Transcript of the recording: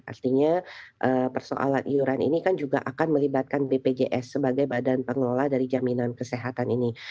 artinya persoalan iuran ini kan juga akan melibatkan bpjs sebagai badan pengelola dari jaminan kesehatan ini